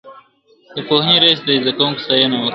د پوهني رئيس د زده کوونکو ستاينه وکړه.